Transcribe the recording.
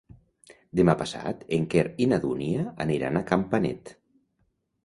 Demà passat en Quer i na Dúnia aniran a Campanet.